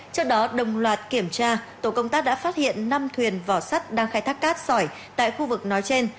trước đó đồng loạt kiểm tra tổ công tác đã phát hiện năm thuyền vỏ sắt đang khai thác cát sỏi tại khu vực nói trên